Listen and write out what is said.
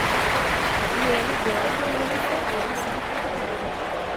E ele deu ao menino sua bênção.